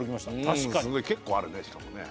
確かに結構あるね